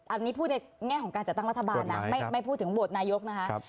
อันนี้พูดในแง่ของการจัดตั้งรัฐบาลนะไม่พูดถึงโหวตนายกนะคะ